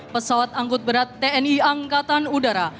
pesawat angkut berat tni angkatan udara